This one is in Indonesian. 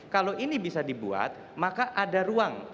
kalau ini bisa dibuat maka ada ruang